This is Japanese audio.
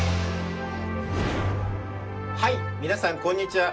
はい皆さんこんにちは！